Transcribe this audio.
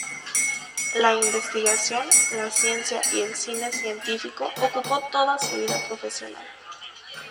La investigación, la ciencia y el cine científico ocupó toda su vida profesional.